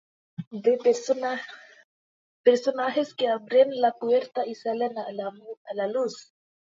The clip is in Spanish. De personajes que abren la puerta y salen a la luz.